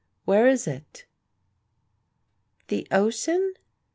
Where is it?" "The Ocean?"